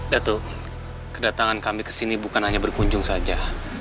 dato kedatangan kami ke sini bukan hanya berkunjung saja